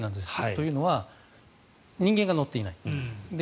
というのは人間が乗っていない。